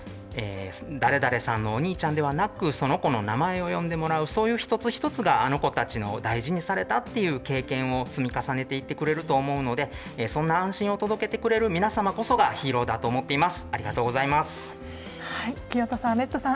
誰々さんのお兄ちゃんではなくその子の名前を呼んでもらうそういう一つ一つがあの子たちの大事にされた経験を積み重ねていっていけると思うのでそんな安心を届けてくださる皆さまこそがヒーローだと思っています。